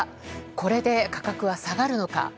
これで価格は下がるのか。